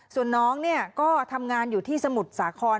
ส่วนน้องเนี่ยก็ทำงานอยู่ที่สมุทรสาคร